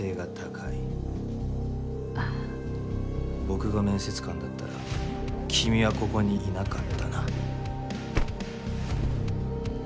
僕が面接官だったら君はここにいなかったな。